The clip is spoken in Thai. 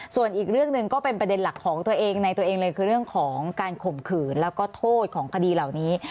ส่วนอีกเรื่องหนึ่งก็เป็นประเด็นหลักของตัวเองในตัวเองเลยคือเรื่องของการข่มขืนแล้วก็โทษของคดีเหล่านี้